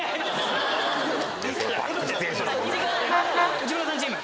内村さんチーム！